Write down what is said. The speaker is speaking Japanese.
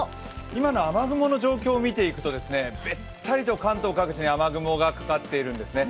今の雨雲の状況を見ていくとべったりと関東各地に雨雲がかかっているんですね。